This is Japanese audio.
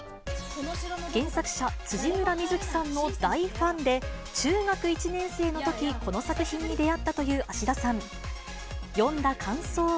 原作者、辻村深月さんの大ファンで、中学１年生のとき、この作品に出会ったという芦田さん。